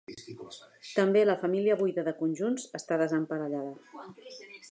També la família buida de conjunts està desemparellada.